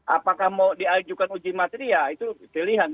apakah mau diajukan uji materi ya itu pilihan